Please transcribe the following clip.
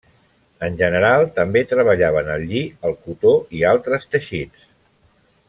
En general, també treballaven el lli, el cotó i altres teixits.